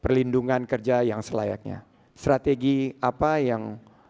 perlindungan kerja yang selayaknya strategi apa yang